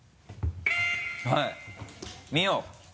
はい見よう。